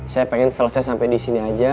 saya pengen selesai sampai di sini aja